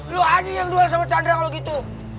lo aja yang duel sama chandra kalau gitu